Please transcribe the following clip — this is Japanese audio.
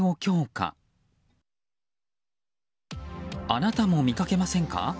あなたも見かけませんか？